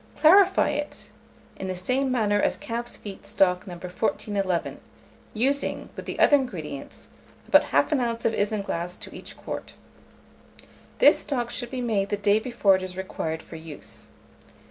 Clarify it in the same manner as calf's feet stock No. 1411, using, with the other ingredients, about 1/2 oz. of isinglass to each quart. This stock should be made the day before it is required for use.